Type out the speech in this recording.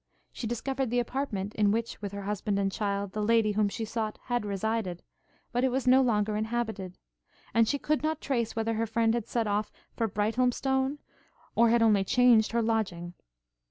She discovered the apartment in which, with her husband and child, the lady whom she sought had resided; but it was no longer inhabited; and she could not trace whether her friend had set off for Brighthelmstone, or had only changed her lodging.